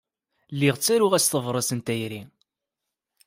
Lliɣ ttaruɣ-as tabrat n tayri.